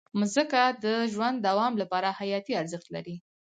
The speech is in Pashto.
مځکه د ژوند د دوام لپاره حیاتي ارزښت لري.